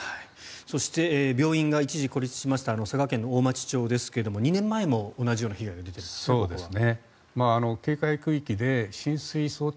そして、病院が一時孤立しました佐賀県大町町ですが２年前も同じような被害が出ているんですね。